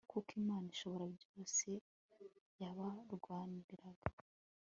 kuko imana ishobora byose yabarwaniriraga